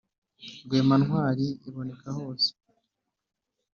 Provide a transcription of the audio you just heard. rwema ntwari iboneka hose,